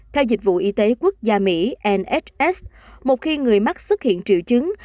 theo dịch vụ y tế quốc gia mỹ một khi người mắc xuất hiện triệu chứng